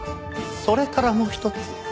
それからもう一つ。